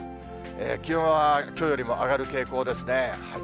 気温はきょうよりも上がる傾向ですね。